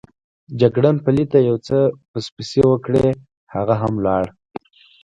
جګړن پلي ته یو څه پسپسې وکړې، هغه هم ولاړ.